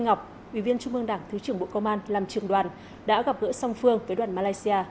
nguyễn ngọc ủy viên trung mương đảng thứ trưởng bộ công an làm trường đoàn đã gặp gỡ song phương với đoàn malaysia